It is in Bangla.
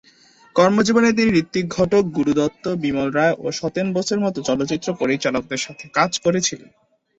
কর্মজীবনে তিনি ঋত্বিক ঘটক, গুরু দত্ত, বিমল রায় এবং সত্যেন বোসের মতো চলচ্চিত্র পরিচালকদের সাথে কাজ করেছিলেন।